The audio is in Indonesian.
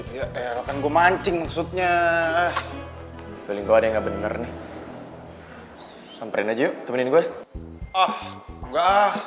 kan gua mancing maksudnya beli gua ada nggak bener nih sampai naju temenin gue ah nggak